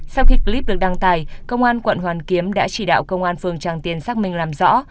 sau khi clip được đăng tải công an quận hoàn kiếm đã chỉ đạo công an phường tràng tiền xác minh làm rõ